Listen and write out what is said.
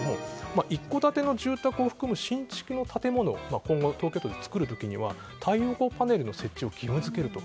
一戸建ての住宅を含む新築の建物を今後、東京都で作る時には太陽光パネルの設置を義務付けると。